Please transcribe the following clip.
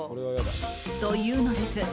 と、言うのです。